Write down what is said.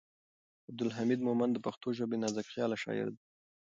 عبدالحمید مومند د پښتو ژبې نازکخیاله شاعر دی.